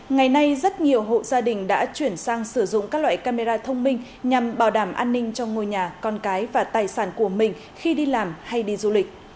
ngày nay rất nhiều hộ gia đình đã chuyển sang sử dụng các loại camera thông minh nhằm bảo đảm an ninh cho ngôi nhà con cái và tài sản của mình khi đi làm hay đi du lịch